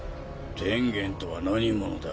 天元とは何者だ？